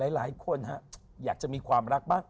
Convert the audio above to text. หลายคนอยากจะมีความรักบ้าง